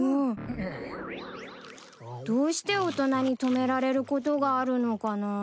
うう。どうして大人に止められることがあるのかなぁ。